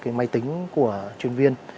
cái máy tính của chuyên viên